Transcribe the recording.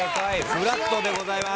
フラットでございます。